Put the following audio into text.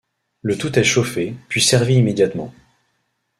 Le tout est chauffé, puis servi immédiatement.